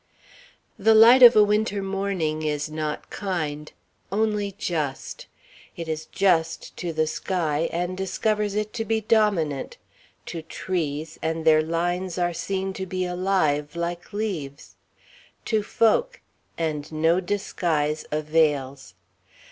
The light of a Winter morning is not kind, only just. It is just to the sky and discovers it to be dominant; to trees, and their lines are seen to be alive, like leaves; to folk, and no disguise avails.